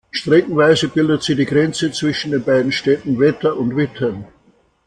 Streckenweise bildet sie die Grenze zwischen den beiden Städten Wetter und Witten.